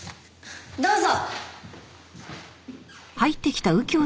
どうぞ。